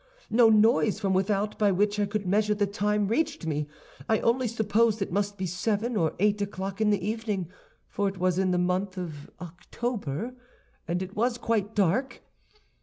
"No noise from without by which I could measure the time reached me; I only supposed it must be seven or eight o'clock in the evening, for it was in the month of October and it was quite dark.